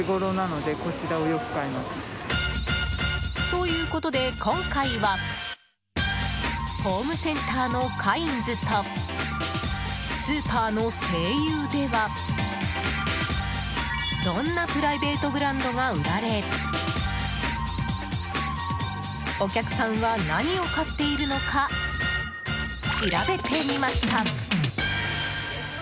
ということで、今回はホームセンターのカインズとスーパーの西友ではどんなプライベートブランドが売られお客さんは何を買っているのか調べてみました。